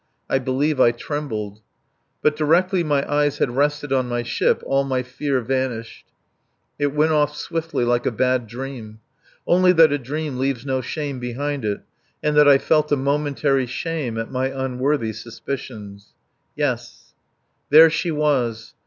I believe I trembled. But directly my eyes had rested on my ship all my fear vanished. It went off swiftly, like a bad dream. Only that a dream leaves no shame behind it, and that I felt a momentary shame at my unworthy suspicions. Yes, there she was.